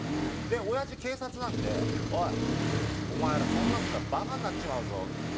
おやじ警察なんで「おいお前らそんなの吸ってたらバカになっちまうぞ」っつって。